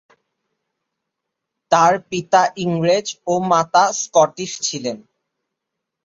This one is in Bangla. তার পিতা ইংরেজ ও মাতা স্কটিশ ছিলেন।